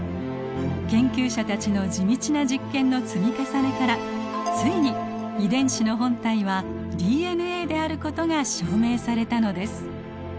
研究者たちの地道な実験の積み重ねからついに遺伝子の本体はＤＮＡであることが証明されたのです。